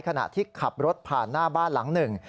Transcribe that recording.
ขณะที่ขับรถผ่านหน้าบ้านหลังหนึ่ง